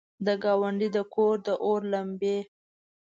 د ګاونډي د کور، داور لمبې!